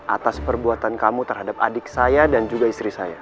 atas perbuatan kamu terhadap adik saya dan juga istri saya